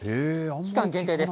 期間限定です。